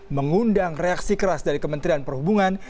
mengundang reaksi keras dari kementerian perhubungan